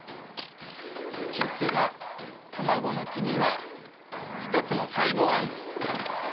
実は卵の黄身は一つの細胞なんです。